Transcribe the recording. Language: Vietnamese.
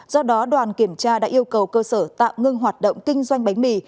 do đó đoàn kiểm tra đã yêu cầu cơ sở tạm ngưng hoạt động kinh doanh bánh mì